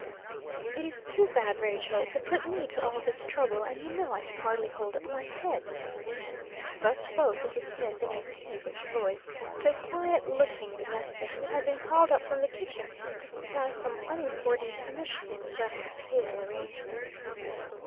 "It is too bad, Rachel, to put me to all this trouble; and you know I can hardly hold up my head." Thus spoke Mrs. Smith, in a peevish voice, to a quiet looking domestic, who had been called up from the kitchen to supply some unimportant omission in the breakfast table arrangement.